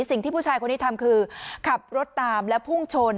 สิ่งที่ผู้ชายคนนี้ทำคือขับรถตามและพุ่งชน